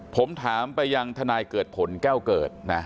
ผมถามไปยังทนายเกิดผลแก้วเกิดนะ